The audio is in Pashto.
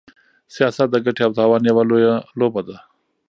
سياست د ګټې او تاوان يوه لويه لوبه ده.